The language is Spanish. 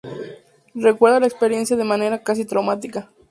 Recuerda la experiencia de manera casi traumática.